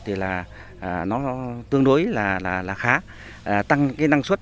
thì nó tương đối là khá tăng năng suất